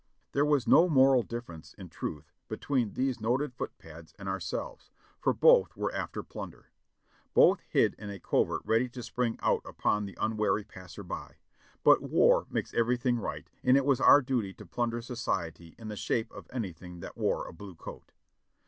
There was no moral difference, in truth, between these noted footpads and ourselves, for both were after plunder, both hid in a covert ready to spring out upon the unwary passer by; but war makes everything right and it was our duty to plunder society in the shape of anything that wore a blue coat.